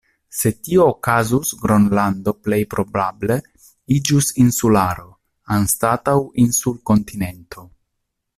Se tio okazus Gronlando plej probable iĝus insularo, anstataŭ insul-kontinento.